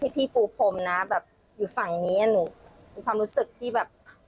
พี่ปูพรมอยู่ฝั่งนี้มีความรู้สึกที่แบบ